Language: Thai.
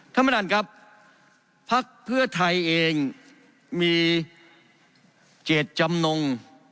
ท่านประธานครับภักดิ์เพื่อไทยเองมีเจตจำนง